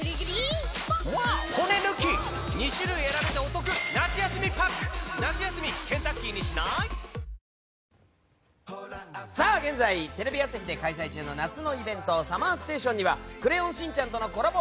そしてＣＭのあとはサマステと「クレヨンしんちゃん」の現在、テレビ朝日で開催中の夏のイベント「ＳＵＭＭＥＲＳＴＡＴＩＯＮ」には「クレヨンしんちゃん」とのコラボ